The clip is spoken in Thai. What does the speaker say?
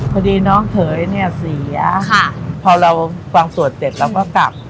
พอดีน้องเขยเนี่ยเสียพอเราฟังสวดเสร็จเราก็กลับ